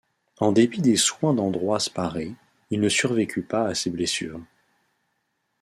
En dépit des soins d’Ambroise Paré, il ne survécut pas à ses blessures.